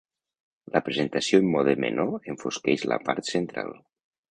La presentació en mode menor enfosqueix la part central.